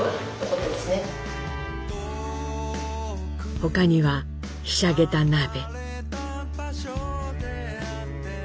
他にはひしゃげた鍋靴底。